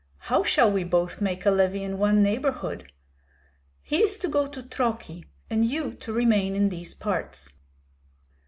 How shall we both make a levy in one neighborhood?" "He is to go to Troki, and you to remain in these parts."